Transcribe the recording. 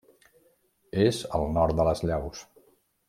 És al nord de les Llaus.